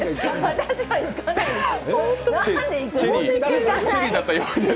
私は行かないです。